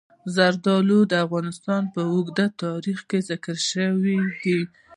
زردالو د افغانستان په اوږده تاریخ کې ذکر شوي دي.